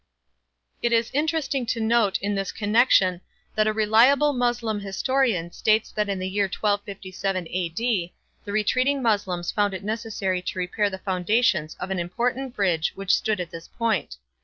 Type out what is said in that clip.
It is interesting to note in this connection that a reliable Moslem historian states that in the year 1257 A.D. the retreating Moslems found it neccessary to repair the foundations of an important bridge which stood at this point.